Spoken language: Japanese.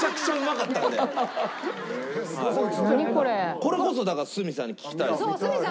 これこそだから角さんに聞きたいです。